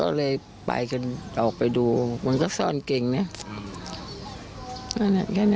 อันนี้ผู้หญิงบอกว่าช่วยด้วยหนูไม่ได้เป็นอะไรกันเขาจะปั้มหนูอะไรอย่างนี้